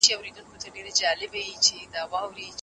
ميرويس خان نيکه د صفوي پوځ کمزورتیاوې څنګه وپېژندلې؟